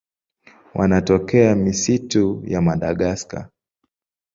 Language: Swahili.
Wanatokea misitu ya Madagaska.